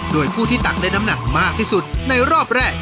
โดยผู้ที่ตักได้น้ำหนักมากที่สุดในรอบแรก